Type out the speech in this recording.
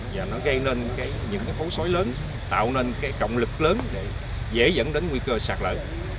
và nó gây nên những cái phố xối lớn tạo nên cái trọng lực lớn để dễ dẫn đến nguy cơ sạt lở